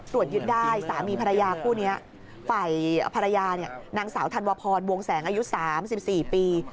ยึดได้สามีภรรยาคู่นี้ฝ่ายภรรยานางสาวธันวาพรวงแสงอายุ๓๔ปี